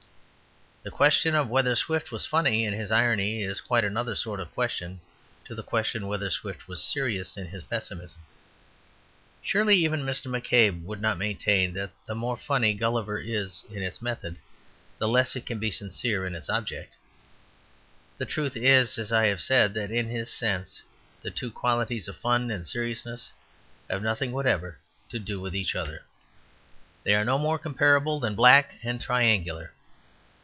The question of whether Swift was funny in his irony is quite another sort of question to the question of whether Swift was serious in his pessimism. Surely even Mr. McCabe would not maintain that the more funny "Gulliver" is in its method the less it can be sincere in its object. The truth is, as I have said, that in this sense the two qualities of fun and seriousness have nothing whatever to do with each other, they are no more comparable than black and triangular.